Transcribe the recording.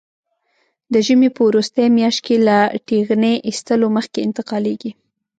د ژمي په وروستۍ میاشت کې له ټېغنې ایستلو مخکې انتقالېږي.